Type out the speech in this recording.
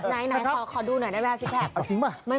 ไหนขอดูหน่อยได้ไหมสิคแพค